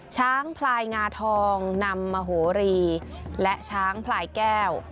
ช้างพลายงาทองนำมโหรีและช้างพลายแก้ว